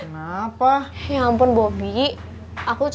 nggak apa apa sedikit